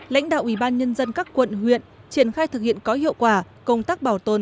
lãnh đạo ubnd các quận huyện triển khai thực hiện có hiệu quả công tác bảo tồn